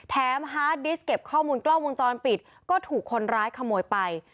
ฮาร์ดดิสเก็บข้อมูลกล้องวงจรปิดก็ถูกคนร้ายขโมยไป